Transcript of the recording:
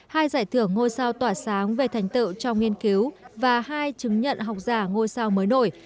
hai giải thưởng ngôi sao tỏa sáng về thành tựu trong nghiên cứu và hai chứng nhận học giả ngôi sao mới nổi